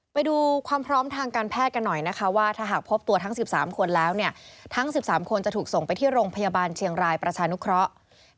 ไปดูความพร้อมทางการแพทย์กันหน่อยนะคะว่าถ้าหากพบตัวทั้ง๑๓คนแล้วเนี่ยทั้ง๑๓คนจะถูกส่งไปที่โรงพยาบาลเชียงรายประชานุเคราะห์